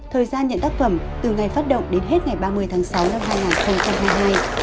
thời gian nhận tác phẩm từ ngày phát động đến hết ngày ba mươi tháng sáu năm hai nghìn hai mươi hai